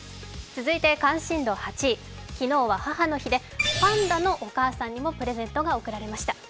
続いて関心度８位昨日は母の日でパンダのお母さんにもプレゼントが贈られました。